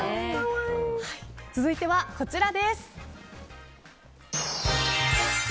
続いてはこちら。